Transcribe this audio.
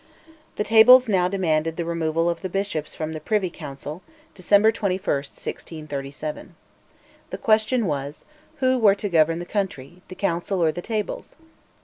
The Tables now demanded the removal of the bishops from the Privy Council (December 21, 1637). The question was: Who were to govern the country, the Council or the Tables?